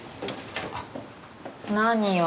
何よ。